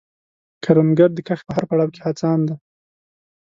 کروندګر د کښت په هر پړاو کې هڅاند دی